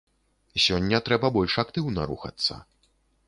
Сёння трэба больш актыўна рухацца.